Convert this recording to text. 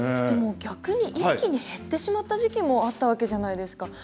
でも逆に一気に減ってしまった時期もあったわけじゃないですか。